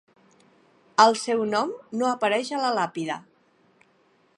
El seu nom no apareix a la làpida.